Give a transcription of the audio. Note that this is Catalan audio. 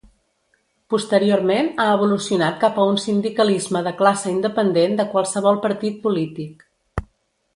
Posteriorment ha evolucionat cap a un sindicalisme de classe independent de qualsevol partit polític.